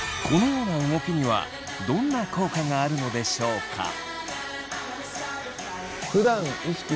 このような動きにはどんな効果があるのでしょうか？